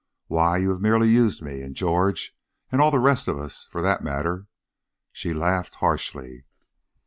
Why, you have merely used me and George, and all the rest of us, for that matter " She laughed harshly.